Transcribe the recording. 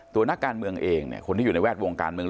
นักการเมืองเองเนี่ยคนที่อยู่ในแวดวงการเมือง